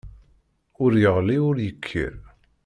Ur yeɣli, ur yekkir.